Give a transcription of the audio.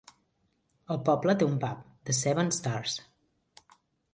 El poble té un pub, "The Seven Stars".